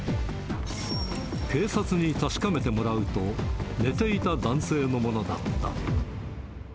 警察に確かめてもらうと、寝ていた男性のものだった。